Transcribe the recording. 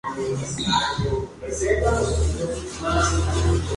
Los trenes son clasificados de acuerdo con la velocidad y área de operación.